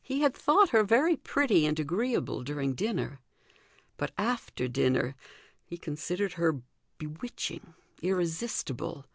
He had thought her very pretty and agreeable during dinner: but after dinner he considered her bewitching, irresistible.